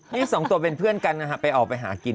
นี่สองตัวเป็นเพื่อนกันนะฮะไปออกไปหากิน